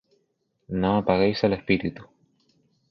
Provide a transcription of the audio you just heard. No apaguéis el Espíritu.